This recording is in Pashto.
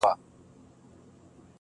له سالو سره به څوك ستايي اورونه!!